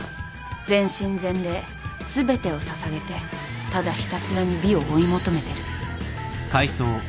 全身全霊全てを捧げてただひたすらに美を追い求めてる。